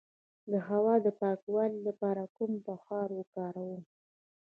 د هوا د پاکوالي لپاره کوم بخار وکاروم؟